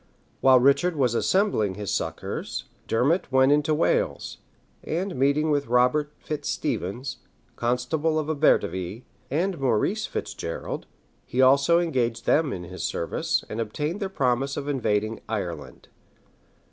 While Richard was assembling his succors, Dermot went into Wales; and meeting with Robert Fitz Stephens, constable of Abertivi, and Maurice Fitz Gerald he also engaged them in his service, and obtained their promise of invading Ireland.